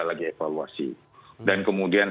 lagi evaluasi dan kemudian